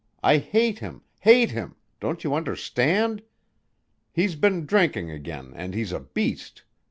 I hate him hate him; don't you understand? He's been drinking again and he's a beast.